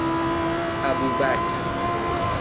ابوبکر